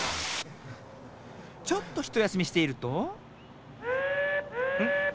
ちょっとひとやすみしているとん？